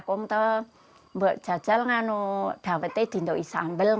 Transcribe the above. karena saya ingin menjelaskan